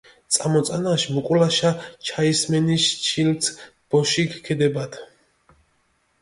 წანამოწანაშ მუკულაშა ჩაისმენიში ჩილცჷ ბოშიქ ქჷდებადჷ.